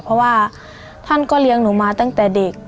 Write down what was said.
เพราะว่าท่านก็เลี้ยงหนูมาตั้งแต่เด็ก